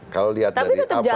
kalau lihat dari apa yang terjadi